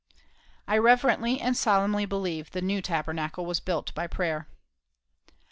I reverently and solemnly believe the new Tabernacle was built by prayer.